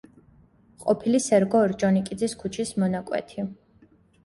ყოფილი სერგო ორჯონიკიძის ქუჩის მონაკვეთი.